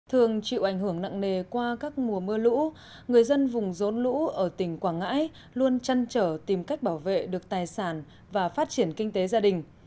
thường chịu ảnh hưởng nặng nề qua các mùa mưa lũ người dân vùng rốn lũ ở tỉnh quảng ngãi luôn chăn trở tìm cách bảo vệ được tài sản và phát triển kinh tế gia đình